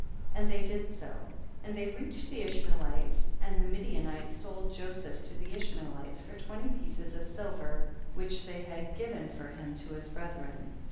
24. And they did so, and they reached the Ishmaelites, and the Mi dianites sold Joseph to the Ishmael ites for twenty pieces of silver which they had given for him to his bre thren.